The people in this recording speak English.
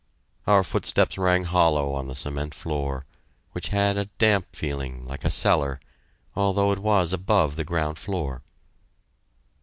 Our footsteps rang hollow on the cement floor, which had a damp feeling, like a cellar, although it was above the ground floor.